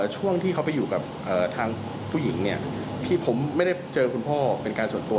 ช่วงที่เขาไปอยู่กับทางผู้หญิงเนี่ยที่ผมไม่ได้เจอคุณพ่อเป็นการส่วนตัว